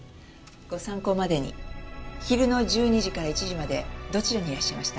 ご参考までに昼の１２時から１時までどちらにいらっしゃいました？